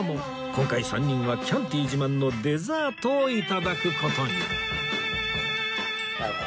今回３人はキャンティ自慢のデザートを頂く事に